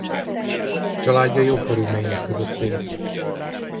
Családja jó körülmények között élt.